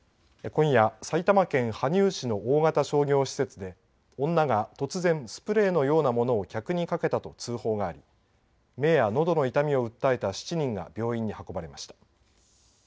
今夜、埼玉県羽生市の大型商業施設で女が突然スプレーのようなものを客にかけたと通報があり目やのどの痛み訴えた７人が病院に運ばれました。